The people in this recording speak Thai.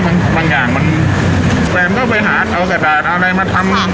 มันบางอย่างมันแฟมก็ไปหาเอากัจจากอะไรมาทำครับ